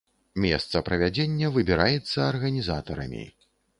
Месца правядзення выбіраецца арганізатарамі.